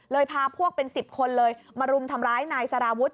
พาพวกเป็น๑๐คนเลยมารุมทำร้ายนายสารวุฒิ